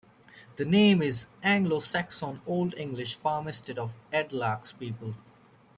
The name is Anglo-Saxon Old English 'farmstead of Eadlac's people'.